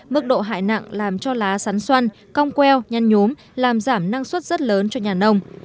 mức độ hại nặng làm cho lá sắn xoăn cong queo nhăn nhốm làm giảm năng suất rất lớn cho nhà nông